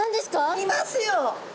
いますよ！